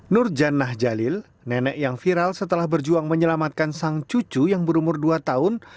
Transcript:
nur jan nah jalil nenek yang viral setelah berjuang menyelamatkan sang cucu yang berumur dua tahun